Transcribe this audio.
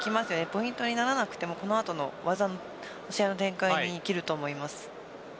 ポイントにならなくてもこの後の試合の展開に生きると思います。